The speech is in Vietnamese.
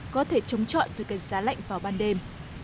có thể chống chọi với cây giá lạnh vào ban đêm